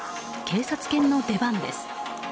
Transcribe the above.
警察犬の出番です。